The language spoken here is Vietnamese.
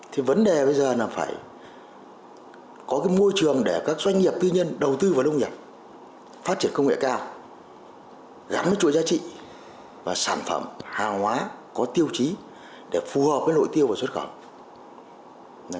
thì vấn đề bây giờ là phải có cái môi trường để các doanh nghiệp tư nhân đầu tư vào nông nghiệp phát triển công nghệ cao gắn với chuỗi giá trị và sản phẩm hàng hóa có tiêu chí để phù hợp với nội tiêu và xuất khẩu